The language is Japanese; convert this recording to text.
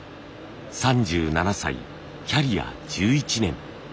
３７歳キャリア１１年。